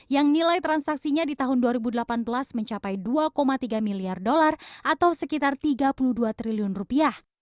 yang nilai transaksinya di tahun dua ribu delapan belas mencapai dua tiga miliar dolar atau sekitar tiga puluh dua triliun rupiah